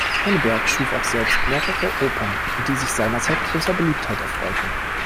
Henneberg schuf auch selbst mehrere Opern, die sich seinerzeit großer Beliebtheit erfreuten.